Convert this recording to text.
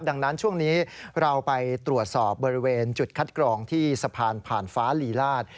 ดังนั้นช่วงนี้เราไปตรวจสอบบริเวณจุดคัดกรองที่สะพานผ่านฟ้าลีลาศ